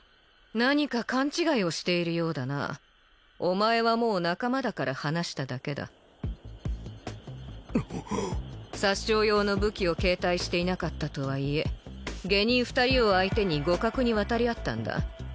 何か勘違いをしているようだなお前はもう仲間だから話しただけだ殺傷用の武器を携帯していなかったとはいえ下忍二人を相手に互角に渡り合ったんだ